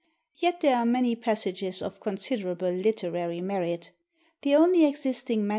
Yet there are many passages of considerable literary merit. The only existing MS.